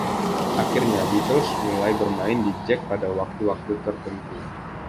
Akhirnya, Beatles mulai bermain di Jac pada waktu-waktu tertentu.